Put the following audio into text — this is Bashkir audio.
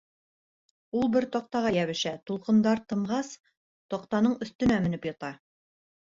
Ул бер таҡтаға йәбешә, тулҡындар тымғас, таҡтаның өҫтөнә менеп ята.